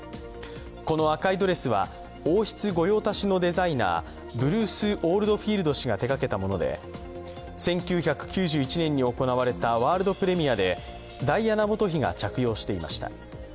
この赤いドレスは王室御用達のデザイナー、ブルース・オールドフィールド氏が手がけたもので１９９１年に行われたワールドプレミアでダイアナ元妃が着用していました。